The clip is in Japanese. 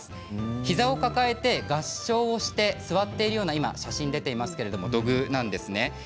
膝を抱えて合掌をして座っているような写真が出ていますが土偶なんですね。